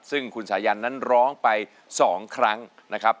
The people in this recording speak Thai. ซึ่งคุณสายันนั้นร้องไป๒ครั้งนะครับ